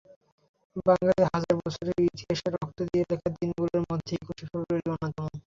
বাঙালির হাজার বছরের ইতিহাসে রক্ত দিয়ে লেখা দিনগুলির মধ্যে একুশে ফেব্রুয়ারি অন্যতম।